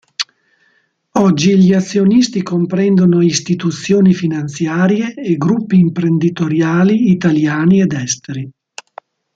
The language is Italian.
Oggi gli azionisti comprendono istituzioni finanziarie e gruppi imprenditoriali italiani ed esteri.